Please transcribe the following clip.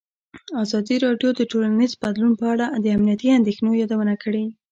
ازادي راډیو د ټولنیز بدلون په اړه د امنیتي اندېښنو یادونه کړې.